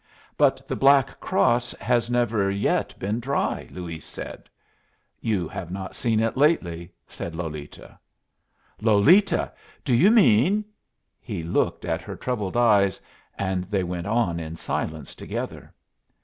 "But the Black Cross has never been dry yet," Luis said. "You have not seen it lately," said Lolita. "Lolita! do you mean " He looked in her troubled eyes, and they went on in silence together.